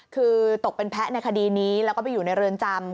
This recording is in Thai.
คือตกเป็นแพ้ในคดีนี้แล้วก็ไปอยู่ในเรือนจำ